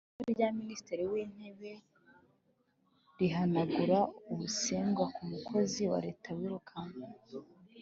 Iteka rya Minisitiri w’Intebe rihanagura ubusembwa ku mukozi wa Leta wirukanywe